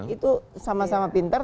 itu sama sama pinter